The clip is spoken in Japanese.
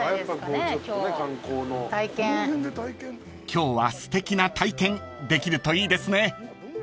［今日はすてきな体験できるといいですね］